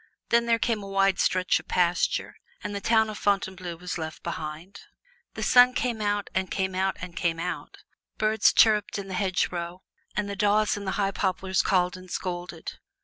Then there came a wide stretch of pasture, and the town of Fontainebleau was left behind. The sun came out and came out and came out; birds chirruped in the hedgerows and the daws in the high poplars called and scolded.